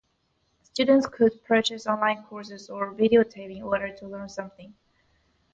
Students could purchase online courses or videotape in order to learn something.